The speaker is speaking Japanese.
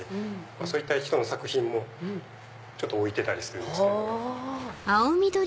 そういった人の作品も置いてたりするんですけど。